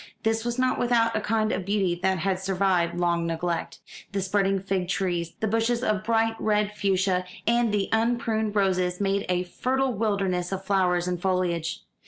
This was not without a kind of beauty that had survived long neglect. The spreading fig trees, the bushes of bright red fuchsia, and the unpruned roses made a fertile wilderness of flowers and foliage.